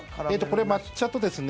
これ、抹茶とですね